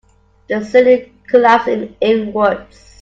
The ceiling collapsed inwards.